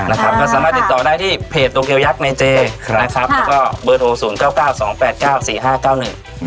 นะครับก็สามารถติดต่อได้ที่เพจโตเกียวยักษ์ในเจครับนะครับแล้วก็เบอร์โทรศูนย์เก้าเก้าสองแปดเก้าสี่ห้าเก้าหนึ่ง